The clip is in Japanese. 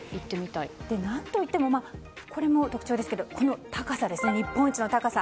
何といってもこれも特徴ですけど日本一の高さ。